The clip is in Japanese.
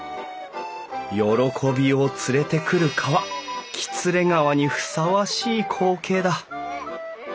喜びを連れてくる川喜連川にふさわしい光景だ